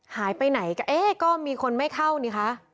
หายไปไหนก็เอ๊ะก็มีคนไม่เข้านี่คะ